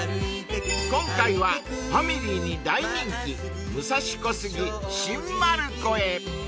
［今回はファミリーに大人気武蔵小杉新丸子へ］